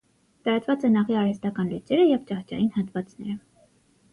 Տարածված են աղի արհեստական լճերը և ճահճային հատվածները։